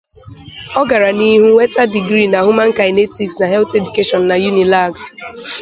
Ọgara n'ihu nweta degree na 'Human kinetics' na Health Education na Unilag.